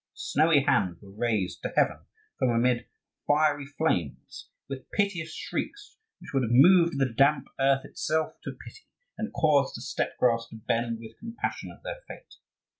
Snowy hands were raised to heaven from amid fiery flames, with piteous shrieks which would have moved the damp earth itself to pity and caused the steppe grass to bend with compassion at their fate.